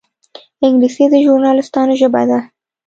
انګلیسي د ژورنالېستانو ژبه ده